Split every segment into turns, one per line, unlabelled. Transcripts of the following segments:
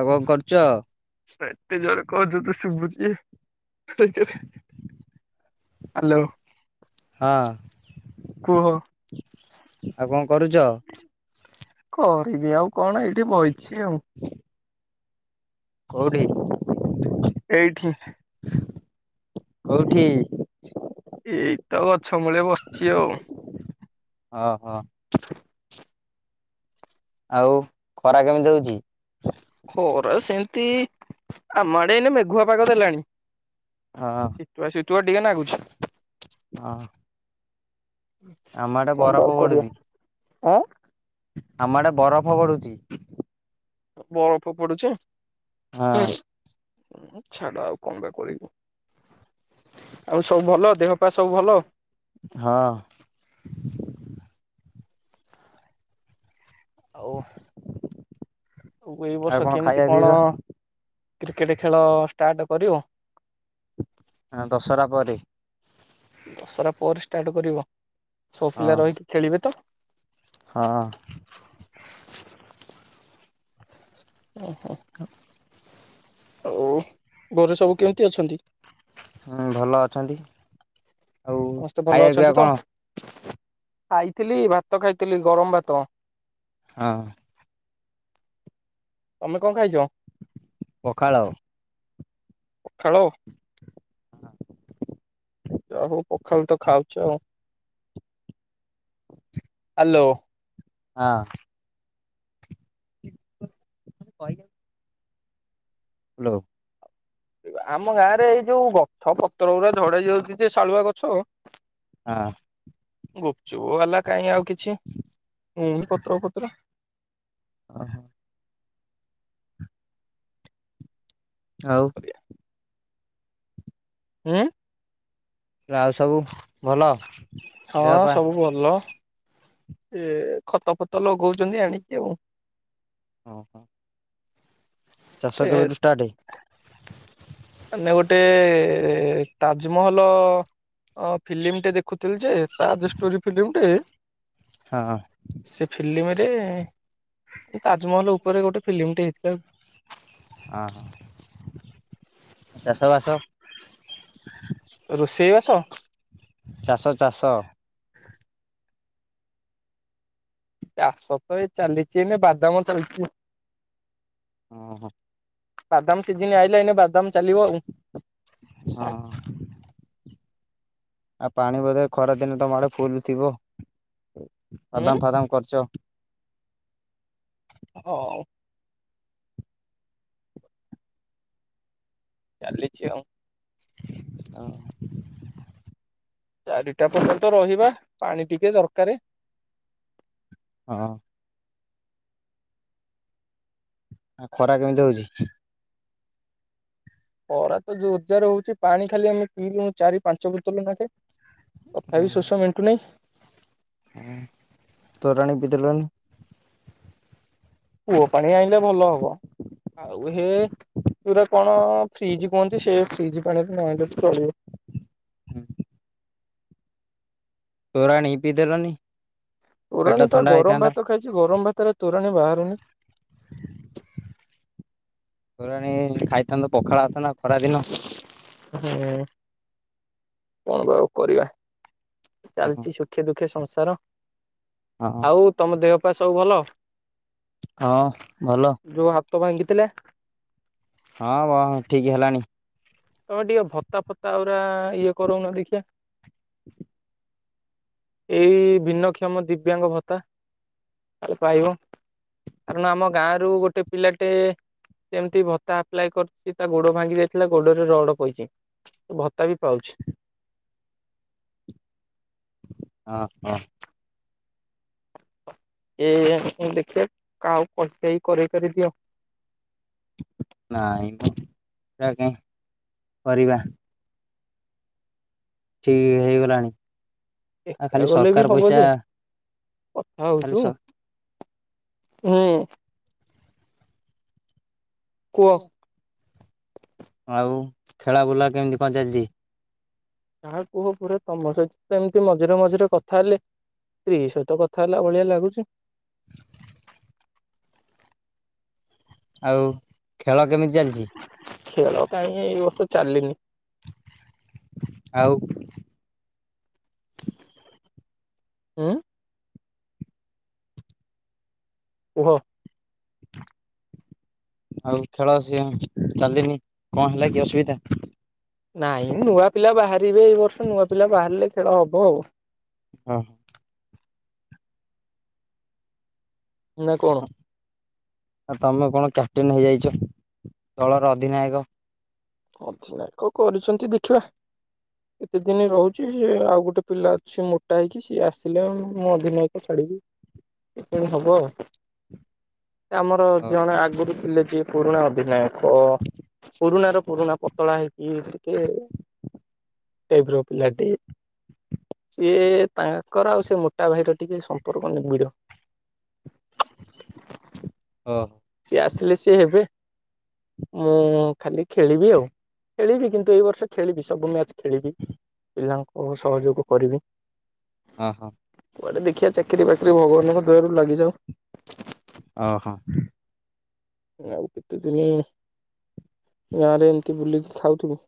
ଆଉ କଣ କରୁଛ।
ଏତେ ଜୋର କହୁଚୁ ଯେ ଶୁଭୁଛି। ହ୍ୟାଲୋ।
ହଁ।
କୁହ।
କଣ କରୁଛ?
କରିବି ଆଉ କଣ ଏଇଠି ବଇଛି ଆଉ।
ହୁଁ। କୋଉଠି।
ଏଇଠି।
କୋଉଠି।
ଏଇ ତ ଗଛ ମୂଳେ ବସିଛି ଆଉ।
ଅ ହ। ଆଉ ଖରା କେମିତି ହଉଛି।
ଖରା ସେମିତି ଆମ ଆଡ଼େ ଏଇନେ ମେଘୁଆ ପାଗ ଦେଲାଣି।
ହଁ।
ଶୀତୁଆ ଶୀତୁଆ ଟିକେ ନାଗୁଛି।
ହଁ। ଆମ ଆଡେ
କଣ ପା
ବରଫ
ଆଉ କରିବା
ପଡୁଛି
ଆଁ
ଆମ ଆଡେ ବରଫ ପଡୁଚି।
ବରଫ ପଡୁଛି।
ହଁ
ଉଁ ଛାଡ ଆଉ କଣ ବା କରିବୁ। ଆଉ ସବୁ ଭଲ ଦେହ ପା ସବୁ ଭଲ?
ହଁ।
ଆଉ ଆଉ ଏଇ
ଆଉ
ବର୍ଷ
କଣ ଖାଇବା
କେମିତି କଣ
ପିଇବା
କ୍ରିକେଟେ ଖେଳ ଷ୍ଟାର୍ଟ କରିବ?
ଆଁ ଦଶରା ପରେ।
ଦଶରା ପରେ ଷ୍ଟାର୍ଟ କରିବ ସବୁ
ହଁ
ପିଲା ରହିକି ଖେଳିବେ ତ?
ହଁ।
ଉଁ ହୁଁ।
[unintelligible]
ଆଉ ଗରେ ସବୁ କେମିତି ଅଛନ୍ତି?
ହୁଁ ଭଲ ଅଛନ୍ତି ଆଉ
ସମସ୍ତେ ଭଲ
ଖାଇବା ପିଇବା
ଅଛନ୍ତି ତ?
କଣ?
ଖାଇଥିଲି ଭାତ ଖାଇଥିଲି ଗରମ ଭାତ।
ହଁ।
ତମେ କଣ ଖାଇଚ?
ପଖାଳ।
ପଖାଳ? ଯାହା ହଉ ପଖାଳ ତ ଖାଉଚ ହାଲୋ।
ଆଁ। [unintelligible] କହିଯାଉ। ହାଲୋ।
ରିବା ଆମ ଗାଁ ରେ ଏଇ ଯୋଉ ଗଛ ପତ୍ର ଉରା ଝଡେଇ ଯାଉଚି ଯେ ଶାଳୁଆ ଗଛ।
ଆଁ।
ଗୁପଚୁପ ବାଲା କାଇଁ ଆଉ କିଛି ନେଇନି ପତ୍ର ଫତ୍ର।
ଅହଂ ଆଉ?
[inaudible] ଉଁ?
ଆଉ ସବୁ ଭଲ ଦେହ ପା।
ଭଲ। ଇଏ ଖତ ଫତ ଲଗଉଚନ୍ତି ଆଣିକି ଆଉ।
ଅଁ ହଁ। ଚାଷ
ଏ
କେବେଠୁ ଷ୍ଟାଟେ?
ମାନେ ଗୋଟେ ତାଜ୍ ମହଲ ଅ ଫିଲ୍ମ ଟେ ଦେଖୁଥିଲି ଯେ ତାଜ ଷ୍ଟୋରି ଫିଲ୍ମଟେ।
ହଁ।
ସେ ଫିଲ୍ମରେ ତାଜମହଲ ଉପରେ ଗୋଟେ ଫିଲ୍ମଟେ ହେଇଥିଲା ଆଉ।
ଅଁ ହଁ ଚାଷବାସ?
ରୋଷେଇ ବାସ?
ଚାଷ ଚାଷ?
ଚାଷ ତ ଏଇ ଚାଲିଚି ଏଇନେ ବାଦାମ ଚାଲିଚି।
ଅଁ ହଁ।
ବାଦାମ ସିଜିନି ଆଇଲେ ଏଇନେ ବାଦାମ ଚାଲିବ ଆଉ।
ଅଁ ଆଉ ପାଣି ବୋଧେ ଖରାଦିନେ ତମ ଆଡ଼େ ଫୁଲ୍ ଥିବ
ହୁଁ
ବାଦାମ ଫାଦାମ କରିଚ।
ହଉ। ଚାଲିଛି ଆଉ।
ଅଁ।
ଚାରିଟା ପର୍ଯ୍ୟନ୍ତ ରହିବା ପାଣି ଟିକେ ଦରକାରେ।
ହଁ। ଆଉ ଖରା କେମିତି ହଉଚି?
ପରା ତ ଯୋର ଜାର ହଉଚି। ପାଣି ଖାଲି ଆମେ ପିଇଲୁୁ ଚାରି ପାଞ୍ଚ ବୋତଲୁ ନାଖେ। ତଥାପି ବି ଶୋଷ ମଣ୍ଟୁ ନାହିଁ।
ହଓଃ ତୋରାଣୀ ପିଇଦେଲନି?
କୁଅ ପାଣି ଆଣିଲେ ଭଲ ହବ। ଆଉ ହେ ପୁରା କଣ ଫ୍ରିଜ କୁହନ୍ତି, ସେ ଫ୍ରିଜ ପାଣିରେ ନଲେ ଚଳିବ।
ହୁଁ। ତୋରାଣି ପିଇଦେଲନି। ପେଟ
ତୋରଣୀ ପା
ଥଣ୍ଡା
ଗରମ
ହେଇଥାନ୍ତା
ଭାତ ଖାଇଚି। ଗରମ ଭାତରେ ତୋରାଣୀ ବାହାରୁନି।
ତୋରାଣୀ, ଖାଇଥାନ୍ତ ପଖାଳ ଭାତ ନା ଖରା ଦିନ।
ହୁଁ କଣ ବା ଆଉ କରିବା
ହଁ
ଚାଲିଚି ସ ଖେ ଦୁଃଖେ ସଂସାର।
ହଁ
ଆଉ ତମ ଦେହ ପାହ ସବୁ ଭଲ?
ହଁ ଭଲ।
ଯୋଉ ହାତ ଭାଙ୍ଗିଥିଲା?
ହଁ ବ ଠିକ ହେଲାଣି।
ତମେ ଟିକେ ଭତା ଫତା ଗୁରା ଇଏ କରୁନ ଦେଖିବା। ଏଇ ଭିନ୍ନକ୍ଷମ ଦିବ୍ୟାଙ୍ଗ ଭତ୍ତା। ପାଇବ କାରଣ ଆମ ଗାଁରୁ ଗୋଟେ ପିଲାଟେ ସେମିତି ଭତ୍ତା ଆପ୍ଲାଏ କରିୁଚି, ତା ଗୋଡ ଭାଙ୍ଗି ଯାଇଥିଲା ଗୋଡ ରଡ ପଇଚି, ସେ ଭତ୍ତା ବି ପାଉଚି।
ହଁ ହଁ।
ଏ ମୁଁ ଦେଖିବା କାହା କହି କାହି କରେଇ କରେଇ ଦିଅ।
ନାଇଁ ମ। [unintelligible] କରିବା। ଠିକ ହେଇଗଲାଣି। ଆଉ
ଏକା
ଖାଲି
ଗଲେ ବି
ସରକାର
ହବ
ପଇସା
ଯେ କଥା
ଖାଲି
ହଉଚୁ।
ସ
ହୁଁ। କୁହ
ଜ୍ଞା ଆଉ ଖେଳା ବୁଲା କେମିତି କଣ ଚାଲିଚି?
ଯାହା କୁହ ପୁରା ତମ ସହିତ ତ ଏମିତି ମଝିରେ ମଝିରେ କଥା ହେଲେ ତ୍ରି ସହିତ କଥା ହେଲା ଭଳିଆ ଲାଗୁଚି।
[inaudible] ଆଉ ଖେଳ କେମିତି ଚାଲିଚି?
ଖେଳ କାହିଁକି ଏଇ ବର୍ଷ ଚାଲିନି?
ଆଉ
ଏ ଓହୋ।
ଆଉ ଖେଳ ସିଏ ଚାଲିନି କଣ ହେଲା କି ଅସୁବିଧା?
ନାଇଁ ନୂଆ ପିଲା ବାହାରିବେ ଏଇ ବର୍ଷ। ନୂଆ ପିଲା ବାହାରିଲେ ଖେଳ ହବ ଆଉ।
ହଁ।
ହଁ ଭାଇ କୁହ।
ଆଉ ତମେ କଣ କ୍ୟାପଟେନ ହେଇଯାଇଚ ଦଳର ଅଧିନାୟକ?
ଅଧିନାୟକ କରିଚନ୍ତି ଦେଖିବା।
[inaudible]
କେତେ ଦିନ ରହୁଚି ସେ ଆଉ ଗୋଟେ ପିଲା ଅଛି ମୋଟା ହେଇକି ସିଏ ଆସିଲେ ମୁଁ ଅଧିନାୟକ ଛାଡ଼ିବି। ଏ ପୁଣି ହବ। ଆମର
ଓ
ଜଣେ ଆଗରୁ ଥିଲେ ଯିଏ ପୁରୁଣା ଅଧିନାୟକ। ପୁରୁଣା ର ପୁରୁଣା ପତଳା ହେଇକି ଟିକେ ଟାଇପ ର ପିଲାଟି। ସିଏ ତାଙ୍କର ଆଉ ସେ ମୋଟା ଭାଇର ଟିକେ ସମ୍ପର୍କ ନିବିଡ।
ଓହୋ।
ସିଏ ଆସିଲେ ସିଏ ହେବେ। ମୁଁ ଖାଲି ଖେଳିବି ଆଉ। ଖେଳିବି କିନ୍ତୁ ଏଇ ବର୍ଷ ଖେଳିବି ସବୁ ମ୍ୟାଚ ଖେଳିବି। ପିଲାଙ୍କୁ ସହଯୋଗ କରିବ।
ହଁ, ହଁ।
କୁଆଡ଼େ ଦେଖିଆ ଚାକିରି ବାକିରି ଭଗବାନଙ୍କ ଦୟାରୁ ଲାଗିଯାଉ।
ଅ ହଁ।
ଆଉ କେତେ ଦିନି ଗାଁ ରେ ଏମିତି ବୁଲିକି ଖାଉଥିବି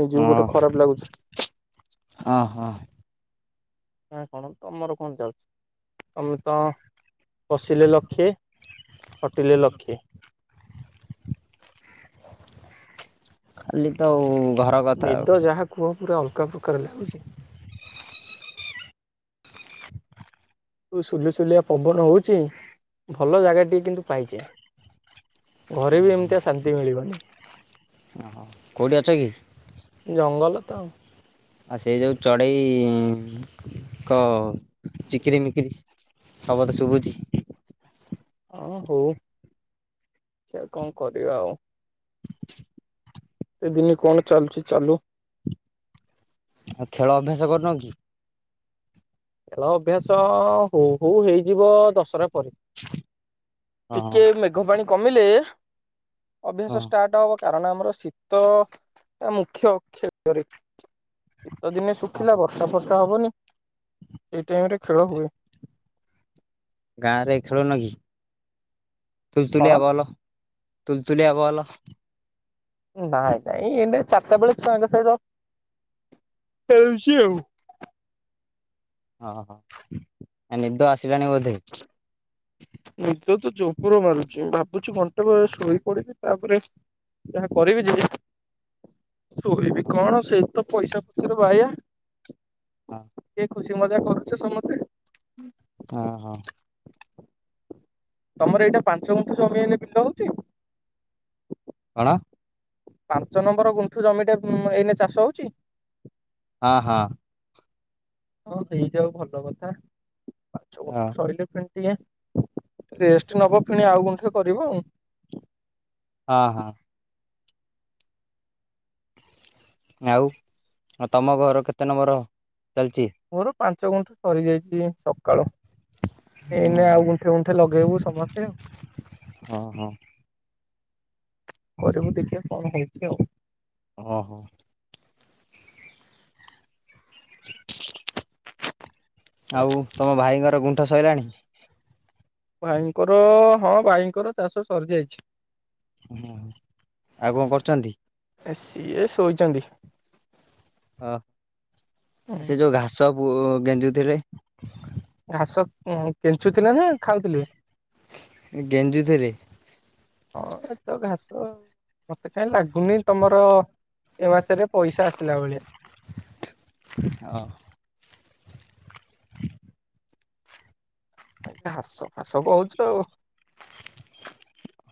ନିଜିକୁ ଗୋଟେ ଖରାପ ଲାଗୁଛି।
ଅ, ହଁ।
ନା କଣ ତମର କଣ ଯାଉଚି। ତମେ ତ ବଶିଲେ ଲକ୍ଷେ ଖଟିଲେ ଲକ୍ଷେ।
ଖାଲି ତ ଉ ଘ
ନିଦ ଯାହା କୁହ ପୁରା ଅଲଗା ପ୍ରକାର ଲାଗୁଛି। ସୁଲସୁଲିଆ ପବନ ହଉଚି ଭଲ ଜାଗା ଟିକେ କିନ୍ତୁ ପାଇଚେ।
ଓହୋ
ମିଳିବନି
ଓହୋ କୋଉଠି ଅଛ କି?
ଜଙ୍ଗଲ ତ।
ଆଉ ସେଇ ଯେଉଁ ଚଢ଼େଇ କ ଚିକିରିମିକିରି ସବଦ ଶୁଭୁଛି।
ହଁ ହଉ ସେ କଣ କରିବା ଆଉ।
[inaudible]
କେତେ ଦିନ କଣ ଚାଲିୁଛି ଚାଲୁ।
ଆଉ ଖେଳ ଅଭ୍ୟାସ କରୁନ କି?
ଖେଳ ଅଭ୍ୟାସ ହଉ ହଉ ହେଇଯିବ ଦଶରା ପରେ।
ହଁ ହଁ
ଟିକେ ମେଘ ପାଣି କମିଲେ ଅଭ୍ୟାସ
ହଁ
ଷ୍ଟାର୍ଟ ହବ। କାରଣ ଆମର ଶୀତ ଟା ମୁଖ୍ୟ ଖେଳରେ। ଶୀତ ଦିନେ
ହଁ
ଶୁଖିଲା
ହଁ
ବର୍ଷା ଫର୍ଷା ହେବନି ଏଇ ଟାଇମରେ ଖେଳ ହୁଏ।
ଗାଁରେ ଖେଳୁନ କି ତୁଲ
କଣ
ତୁଲିଆ ବଲ ତୁଲ ତୁଲିଆବଲ।
ନାଇଁ ନାଇ ଏଇନାକେ ଚାଟାବେଳିଆ ଛୁଆଙ୍କ ସହିତ ଖେଳୁଛି ଆଉ।
ଓହୋ ନିଦ ଆସିଲାଣି ବୋଧେ।
ନିଦ ତ ଯବର ମାରୁଛି ଭାବୁଛିୁ କନ୍। ଶୋଇ ପଡିବି ତାପରେ ଯାହା କରିବି ଯବି ଶୋଇବି
ହଁ
କଣ ସେଇତ ପଇସା ପଛରେ ବାୟା
ହଁ
କି ଖୁସି ମଜା କରୁଛେ ସମତେ।
ଉଁ ହୁଁ।
ତମର ଏଇଟା ପାଞ୍ଚ ଗୁଣ୍ଠ ଜମି ଆଇଲେ ବିଲ ହଉଛି।
କଣ?
ପାଞ୍ଚ ନମ୍ବର ଗୁଣ୍ଠୁ ଜମିଟା ଏଇବା ଚାଷ ହଉଚି।
ହଁ, ହଁ।
ହଁ ହେଇଯାଉ ଭଲ କଥା ପାଞ୍ଚ
ହଁ
ଗୁଣ୍ଠ ସଇଲେ ଫୁଣି ଟିକେ ରେଷ୍ଟ ନବ ପୁଣି ଆଉ ଗୁଣ୍ଠେ କରିବ ଆଉ।
ହ, ହ। ଆଉ ତମ ଘର କେତେ ନମ୍ବର ଚାଲିଛି?
ମୋର ପାଞ୍ଚ ଗୁଣ୍ଠ ସରି ଯାଇଛି ସକାଳୁ। ଏଇନ ଆଉ ଗୁଣ୍ଠେ ଗୁଣ୍ଠେ ଲଗେଇବୁ ସମସ୍ତେ ଆଉ।
ହଁ ହଁ।
କରିବୁ ଦେଖିଆ କଣ ହୋଇଛି ଆଉ।
ଓହୋ।
[inaudible]
ଆଉ ତମ ଭାଇଙ୍କର ଗୁଣ୍ଠ ସଇଲାଣି।
ଭାଇଙ୍କର ହଁ ବାଇଙ୍କର ଚାଷ ସରି ଯାଇଛି।
ଆଉ କଣ କରୁଛନ୍ତି?
ସିଏ ଶୋଇଛନ୍ତି?
ଓ ଆ ସେ ଯୋଉ ଘାସ ଗେଞ୍ଜୁଥିଲେ?
ଘାସ କେଞ୍ଚୁଥିଲେ ନା ଖାଉଥିଲେ?
ଗେଂଜୁଥିଲେ।
ହଁ ଏ ତ ଘାସ ମତେ କାଇଁ ଲାଗୁନି ତମର ଏ ମାସ ରେ ପଇସା ଆସିଲା ଭଳିଆ
ହ।
ଘାସ ଫାସ କହୁଛୁ।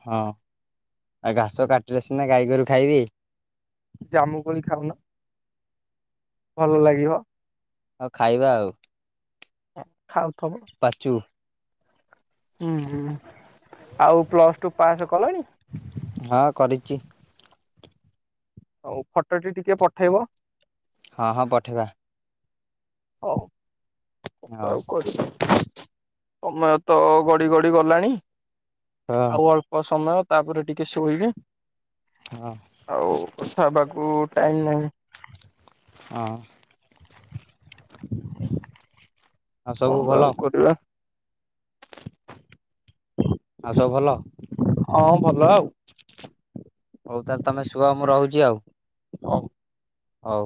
ହଁ ଆ ଘାସ କାଟିଲେ ସିନା ଗାଈଗୋରୁ ଖାଇବେ।
ଜାମୁକୋଳି ଖାଉନ? ଭଲ ଲାଗିବ?
ହଉ ଖାଇବା ଆଉ
ଖାଉଥବ।
ପାଚୁ।
ହୁଁ ହୁଁ ଆଉ ପ୍ଲସ୍ ଟୁ ପାସ୍ କଲଣି?
ହଁ କରିଛି।
ହଉ ଫଟୋଟି ଟିକେ ପଠେଇବ?
ହଁ ହଁ ପଠେଇବା।
ହଉ। ହ
ହଉ
ଆଉ କରିବି ସମୟ ତ ଗଡି ଗଡି ଗଲାଣି।
ହଁ
ଆଉ ଅଳ୍ପ ସମୟ ତାପରେ ଟିକେ ଶୋଇବି।
ହଁ।
ଆଉ କଥା ହେବାକୁ ଟାଇମ୍ ନାହିଁ।
ହଁ।
ହ
ଆଉ ସବୁ
କଣ ବା
ଭଲ
ଆଉ କରିବା?
ଆଉ ସବୁ ଭଲ।
ହଁ ଭଲ ଆଉ
ହଉ ତାହେଲେ ତମେ ଶୁଅ ମୁଁ ରହୁଛି ଆଉ
ହଉ।
ହଉ।